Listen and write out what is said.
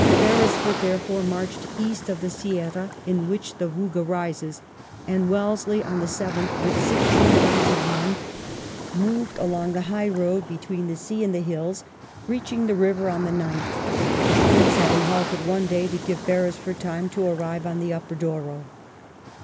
Beresford, therefore, marched east of the Sierra in which the Vouga rises, and Wellesley on the 7th with sixteen thousand men moved along the high road between the sea and the hills, reaching the river on the 9th, the troops having halted one day to give Beresford time to arrive on the Upper Douro.